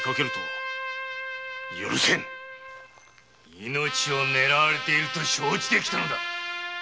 命を狙われていると承知で来たのだな。